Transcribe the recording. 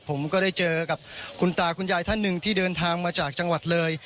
ผมก็ได้เจอกับคุณตาคุณยายท่านหนึ่งที่เดินทางมาจากจังหวัดเลย